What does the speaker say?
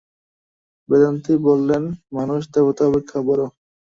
বেদান্তী বলেন, মানুষ দেবতা অপেক্ষা বড়।